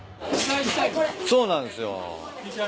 そうなんですよ。